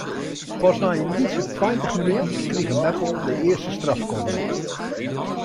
Pas nei in lytse tweintich minuten krige Meppel de earste strafkorner.